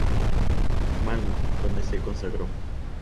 Malmö, donde se consagró.